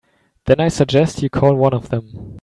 Then I suggest you call one of them.